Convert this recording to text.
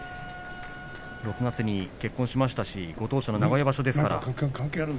６月に結婚しましたしご当所の名古屋場所ですから。